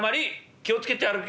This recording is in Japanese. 気を付けて歩け。